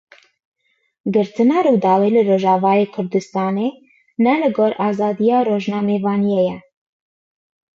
Girtina Rûdawê li Rojavayê Kurdistanê ne li gor azadiya rojnamevaniyê ye.